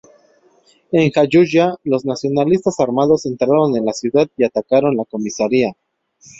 En Jayuya, los nacionalistas armados entraron en la ciudad y atacaron la comisaría.